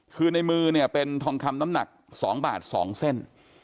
คือในมือเนี่ยเป็นทองคำน้ำหนัก๒บาท๒เส้น